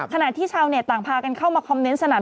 ขนาดที่ชาวเนี่ยต่างพากันเข้ามาคอมเน็ตสนาน